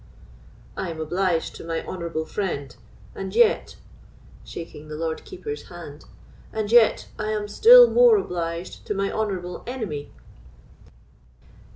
"I am obliged to my honourable friend; and yet," shaking the Lord Keeper's hand—"and yet I am still more obliged to my honourable enemy."